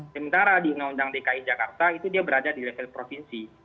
sementara di undang undang dki jakarta itu dia berada di level provinsi